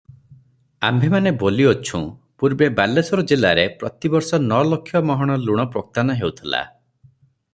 ଆମ୍ଭେମାନେ ବୋଲିଅଛୁଁ, ପୂର୍ବେ ବାଲେଶ୍ୱର ଜିଲ୍ଲାରେ ପ୍ରତି ବର୍ଷ ନ ଲକ୍ଷ ମହଣ ଲୁଣ ପ୍ରୋକ୍ତାନ ହେଉଥିଲା ।